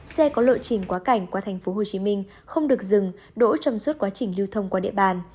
xe có lộ trình quá cảnh qua tp hcm không được dừng đỗ trong suốt quá trình lưu thông qua địa bàn